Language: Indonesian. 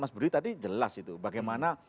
mas budi tadi jelas itu bagaimana